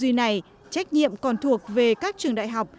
tư duy này trách nhiệm còn thuộc về các trường đại học